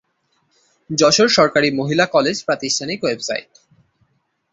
যশোর সরকারি মহিলা কলেজ প্রাতিষ্ঠানিক ওয়েবসাইট